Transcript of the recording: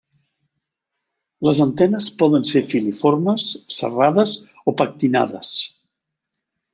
Les antenes poden ser filiformes, serrades o pectinades.